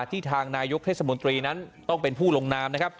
ที่ทางนายกเทศมนตรีนั้นต้องไปผู้ลงนาม